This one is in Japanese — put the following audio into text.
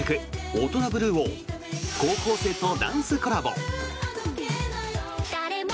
「オトナブルー」を高校生とダンスコラボ！